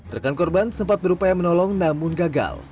rekan korban sempat berupaya menolong namun gagal